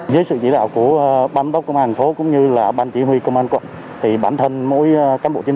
nếu như bán tóc công an phố cũng như là bán chỉ huy công an quận thì bản thân mỗi cán bộ chiến